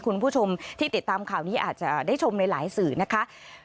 คุณผู้ชมที่ติดตามข่าวนี้อาจจะได้ชมในหลายสื่อนะคะ